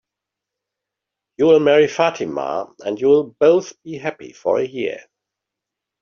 You'll marry Fatima, and you'll both be happy for a year.